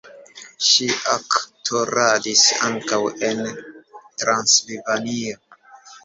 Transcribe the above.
Ŝi aktoradis ankaŭ en Transilvanio.